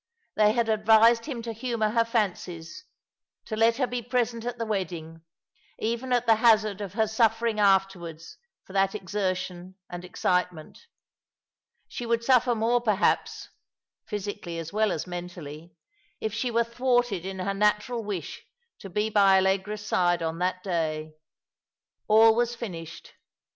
They had advised him to humour her fancies, to let her be present at the wedding, even at the hazard of her suffering afterwards for that exertion and excitement. She would suffer more perhaps — physically as well as mentally — if she were thwarted in her natural wish to be by Allegra's side on that day. All was finished.